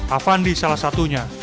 afandi salah satunya